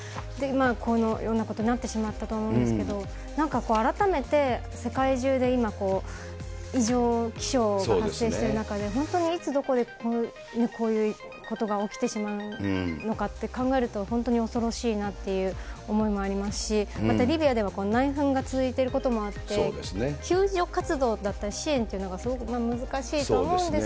このようなことになってしまったと思うんですけど、改めて世界中で今、異常気象が発生してる中で、本当にいつどこでこういうことが起きてしまうのかって考えると、本当に恐ろしいなっていう思いもありますし、また、リビアでは内紛が続いていることもあって、救助活動だったり支援っていうのがすごく難しいと思うんです